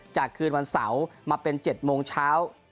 คืนวันเสาร์มาเป็น๗โมงเช้า